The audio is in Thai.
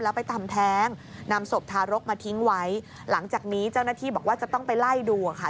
แล้วไปทำแท้งนำศพทารกมาทิ้งไว้หลังจากนี้เจ้าหน้าที่บอกว่าจะต้องไปไล่ดูอ่ะค่ะ